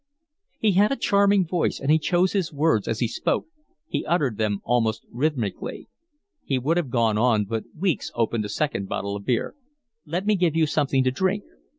He had a charming voice, and he chose his words as he spoke; he uttered them almost rhythmically. He would have gone on, but Weeks opened a second bottle of beer. "Let me give you something to drink."